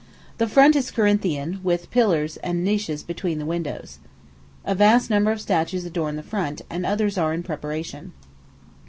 The front is Corinthian, with pillars and niches between the windows. A vast number of statues adorn the front, and others are in preparation.